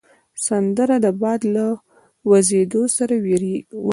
سندره د باد له وزېدو سره وږیږي